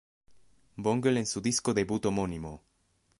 Bungle en su disco debut homónimo.